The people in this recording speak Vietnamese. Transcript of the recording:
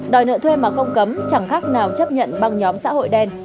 đòi nợ thuê mà không cấm chẳng khác nào chấp nhận bằng nhóm xã hội đen